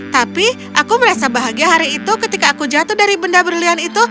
tapi aku merasa bahagia hari itu ketika aku jatuh dari benda berlian itu